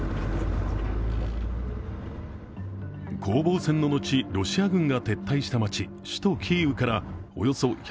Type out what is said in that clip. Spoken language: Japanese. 攻防戦の後、ロシア軍が撤退した街首都キーウからおよそ１５０ｋｍ